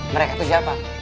mereka itu siapa